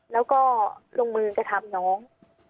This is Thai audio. แล้วก็ลงมือกระทำน้อง